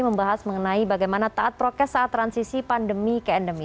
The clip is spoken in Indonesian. membahas mengenai bagaimana taat prokes saat transisi pandemi ke endemi